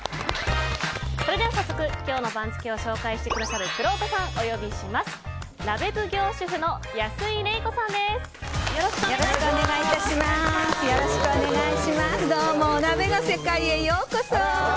早速今日の番付を紹介してくださるくろうとさんをお呼びします。